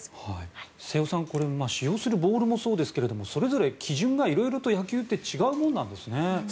瀬尾さん、これ使用するボールもそうですがそれぞれ基準が色々と野球って違うものなんですね。